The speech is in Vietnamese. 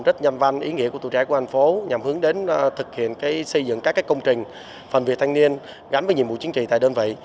rất nhằm văn ý nghĩa của tuổi trẻ của thành phố nhằm hướng đến thực hiện xây dựng các công trình phần việc thanh niên gắn với nhiệm vụ chính trị tại đơn vị